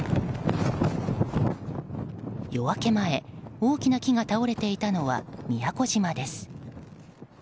夜明け前、大きな木が倒れていたのは宮古島です。